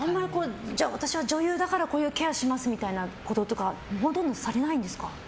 私は女優だからこういうケアしますみたいなことはほとんどされないんですか？